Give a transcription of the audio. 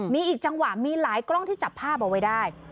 มีอีกจังหวะมีหลายกล้องที่จับภาพเอาไว้ได้